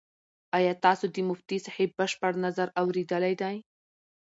ایا تاسو د مفتي صاحب بشپړ نظر اورېدلی دی؟